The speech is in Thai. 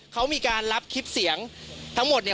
เขามีการรับคลิปเสียงทั้งหมดเนี่ย